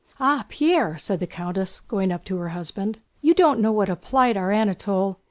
"Ah, Pierre," said the countess going up to her husband. "You don't know what a plight our Anatole..."